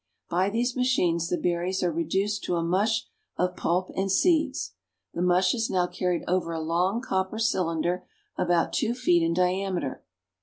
By these machines the berries are reduced to a mush of pulp and seeds. The mush is now carried over a long copper cylinder about two feet in diameter.